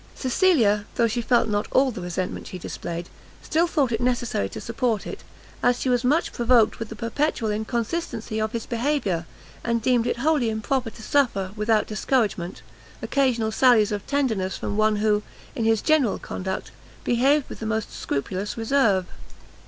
Cecilia, though she felt not all the resentment she displayed, still thought it necessary to support it, as she was much provoked with the perpetual inconsistency of his behaviour, and deemed it wholly improper to suffer, without discouragement, occasional sallies of tenderness from one who, in his general conduct, behaved with the most scrupulous reserve.